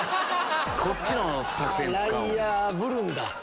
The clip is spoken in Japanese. こっちの作戦使うんだ。